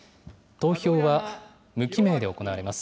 投票は無記名で行われます。